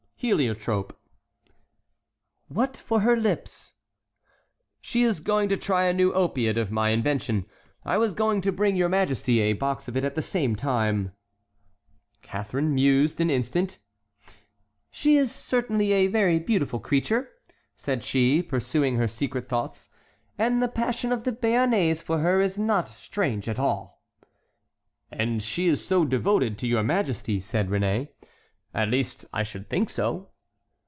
"Heliotrope." "What for her lips?" "She is going to try a new opiate of my invention. I was going to bring your majesty a box of it at the same time." Catharine mused an instant. "She is certainly a very beautiful creature," said she, pursuing her secret thoughts; "and the passion of the Béarnais for her is not strange at all." "And she is so devoted to your majesty," said Réné. "At least I should think so."